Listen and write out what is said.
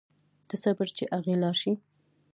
ته صبر چې اغئ لاړ شي.